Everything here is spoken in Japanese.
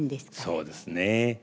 そうですね。